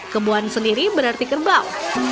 kebohan sendiri berarti kerbau